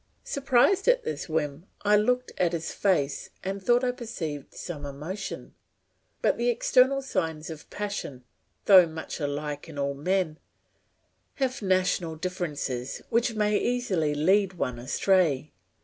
Surprised at this whim, I looked at his face and thought I perceived some emotion; but the external signs of passion, though much alike in all men, have national differences which may easily lead one astray.